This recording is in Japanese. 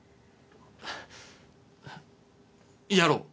やろう！